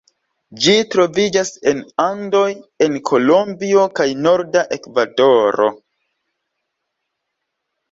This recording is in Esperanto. Ĝi troviĝas en Andoj en Kolombio kaj norda Ekvadoro.